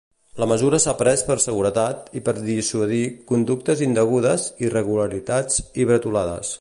La mesura s'ha pres per seguretat i per dissuadir "conductes indegudes, irregularitats i bretolades".